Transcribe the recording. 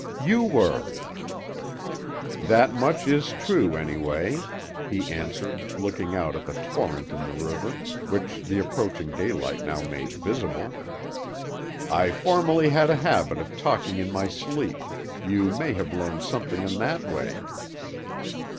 "You were." "That much is true, anyway," he answered, looking out at the torrent in the river, which the approaching daylight now made visible. "I formerly had a habit of talking in my sleep; you may have learned something in that way."